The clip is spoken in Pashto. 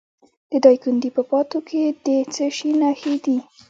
د دایکنډي په پاتو کې د څه شي نښې دي؟